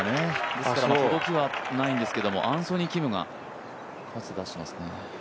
ですから届きはしないんですがアンソニー・キムが出してますね。